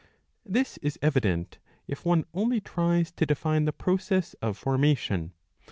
This is evident if one only tries to define the process of formation.